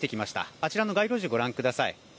あちらの街路樹、ご覧ください。